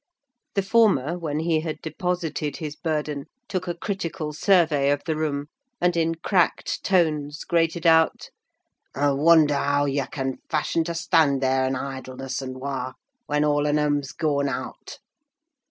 The former, when he had deposited his burden, took a critical survey of the room, and in cracked tones grated out—"Aw wonder how yah can faishion to stand thear i' idleness un war, when all on 'ems goan out!